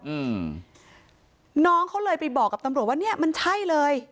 อืมน้องเขาเลยไปบอกกับตำรวจว่าเนี้ยมันใช่เลย